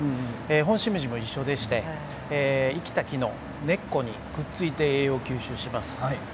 ホンシメジも一緒で生きた木の根っこにくっついて栄養を吸収します。